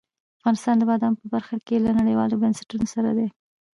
افغانستان د بادامو په برخه کې له نړیوالو بنسټونو سره دی.